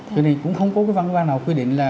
cho nên cũng không có cái văn bản nào quy định là